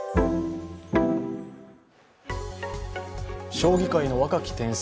将棋界の若き天才